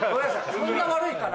そんな悪いかな？